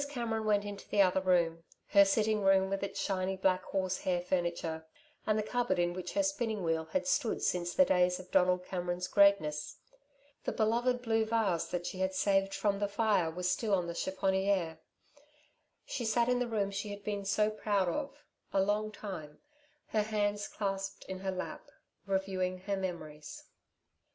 Cameron went into the other room her sitting room with its shiny black horse hair furniture, and the cupboard in which her spinning wheel had stood since the days of Donald Cameron's greatness. The beloved blue vase that she had saved from the fire was still on the chiffonier. She sat in the room she had been so proud of, a long time, her hands clasped in her lap, reviewing her memories.